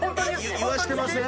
言わせてません？